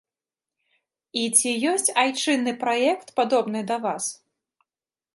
І ці ёсць айчынны праект, падобны да вас?